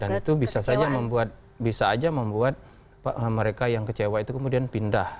dan itu bisa saja membuka bisa aja membuat mereka yang kecewa itu kemudian pindah